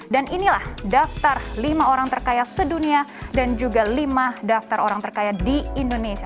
dan inilah daftar lima orang terkaya sedunia dan juga lima daftar orang terkaya di indonesia